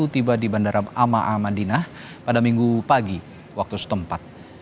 tiba di bandara amaa madinah pada minggu pagi waktu setempat